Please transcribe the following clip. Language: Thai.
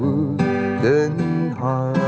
มีคนเดียว